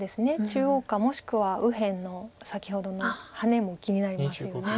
中央かもしくは右辺の先ほどのハネも気になりますよね。